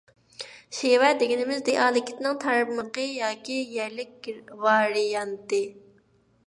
شېۋە دېگىنىمىز – دىئالېكتنىڭ تارمىقى ياكى يەرلىك ۋارىيانتى.